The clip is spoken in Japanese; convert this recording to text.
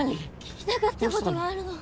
聞きたかったことがあるの。